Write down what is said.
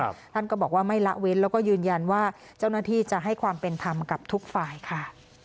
ท่านก็บอกว่าไม่ละเว้นแล้วก็ยืนยันว่าเจ้าหน้าที่จะให้ความเป็นธรรมกับทุกฝ่ายค่ะ